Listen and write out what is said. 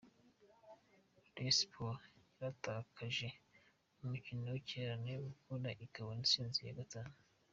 Rayon Sports yaratakaje mu mukino w’ikirarane, Mukura ibona intsinzi ya gatanu.